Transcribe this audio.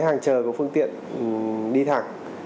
hàng trời của phương tiện đi thẳng